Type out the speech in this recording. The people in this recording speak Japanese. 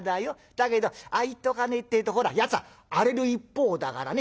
だけどああ言っておかねえってえとほらやつは荒れる一方だからね。